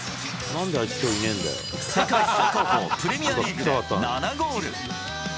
世界最高峰プレミアリーグで７ゴール。